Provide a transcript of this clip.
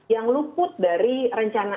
yang luput dari rencana